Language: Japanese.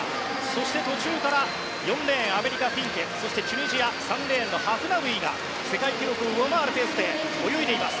そして途中から４レーンアメリカ、フィンケチュニジア、ハフナウイが世界記録を上回るペースで泳いでいます。